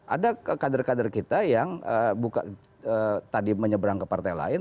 ada kader kader kita yang bukan tadi menyeberang ke partai lain